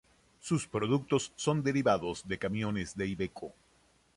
Sus productos son derivados de camiones de Iveco.